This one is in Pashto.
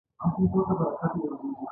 تاریخ ورته ګرانه بیه وټاکله.